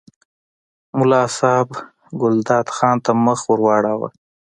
ملا صاحب ګلداد خان ته مخ ور واړاوه.